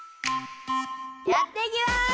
やっていきます！